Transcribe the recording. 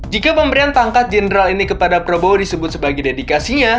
jika pemberian pangkat jenderal ini kepada prabowo disebut sebagai dedikasinya